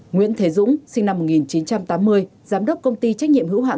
nguyễn thế dũng sinh năm một nghìn chín trăm tám mươi giám đốc công ty trách nhiệm hữu hạn